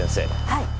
はい。